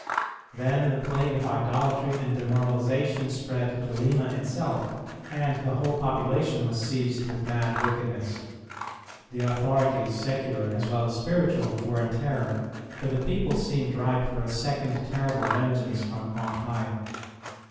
Then the plague of idolatry and demoralization spread to Lima itself, and the whole population was seized with mad wickedness. The authorities, secular as well as spiritual, were in terror, for the people seemed ripe for a second terrible vengeance from on high.